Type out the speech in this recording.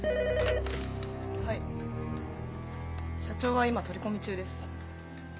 社長は今取り込み中です。